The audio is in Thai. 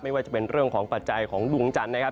ว่าจะเป็นเรื่องของปัจจัยของดวงจันทร์นะครับ